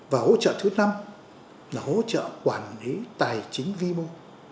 và hỗ trợ thứ năm là hỗ trợ quản lý tài chính vi mô